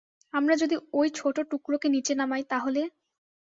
আমরা যদি ঐ ছোট টুকরোকে নিচে নামাই তাহলে?